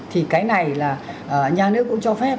thì cái này là nhà nước cũng cho phép